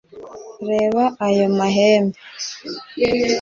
reba ayo mahembe